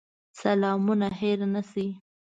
سلامونه هېر نه شي.